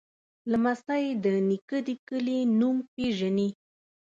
لمسی د نیکه د کلي نوم پیژني.